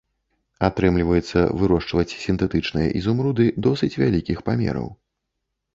Атрымліваецца вырошчваць сінтэтычныя ізумруды досыць вялікіх памераў.